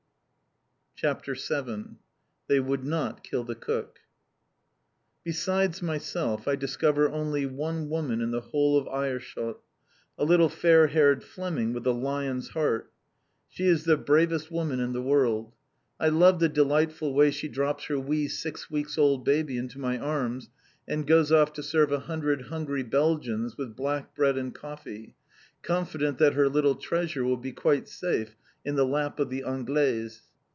CHAPTER VII THEY WOULD NOT KILL THE COOK Besides myself, I discover only one woman in the whole of Aerschot a little fair haired Fleming, with a lion's heart. She is the bravest woman in the world. I love the delightful way she drops her wee six weeks old baby into my arms, and goes off to serve a hundred hungry Belgians with black bread and coffee, confident that her little treasure will be quite safe in the lap of the "Anglaise."